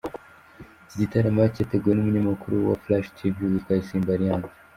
Iki gitaramo cyateguwe n’umunyamakuru wa Flash Tv witwa Isimbi Alliance.